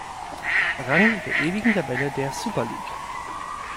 Rang der ewigen Tabelle der Super League.